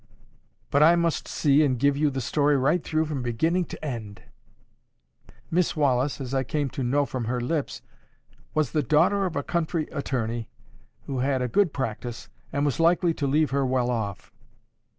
But I must see and give you the story right through from beginning to end.—Miss Wallis, as I came to know from her own lips, was the daughter of a country attorney, who had a good practice, and was likely to leave her well off.